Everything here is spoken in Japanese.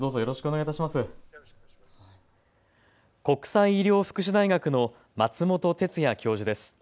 国際医療福祉大学の松本哲哉教授です。